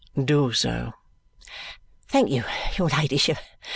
"Do so." "Thank your ladyship.